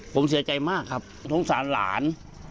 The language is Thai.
ผมเสียใจมากครับสงสารหลาน